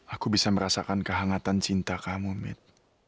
aku bisa merasakan kehangatan cinta kamu mit